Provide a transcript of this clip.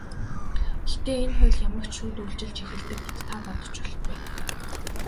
Гэхдээ энэ хууль ямагт шууд үйлчилж эхэлдэг гэж та бодож болохгүй.